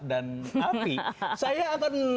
dan api saya akan